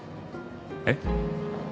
えっ？